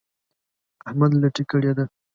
احمد لټي کړې ده.